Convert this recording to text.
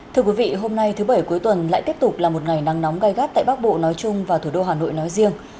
thưa quý vị hôm nay thứ bảy cuối tuần lại tiếp tục là một ngày nắng nóng gai gắt tại bắc bộ nói chung và thủ đô hà nội nói riêng